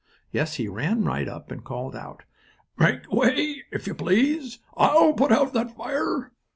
Yes, he ran right up and called out: "Make way, if you please. I will put out that fire!"